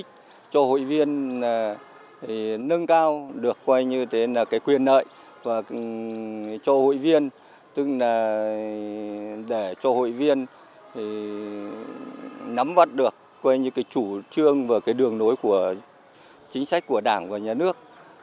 để cho hội viên nâng cao được quyền nợi và cho hội viên nắm vắt được chủ trương và đường nối của chính sách của đảng và nhà nước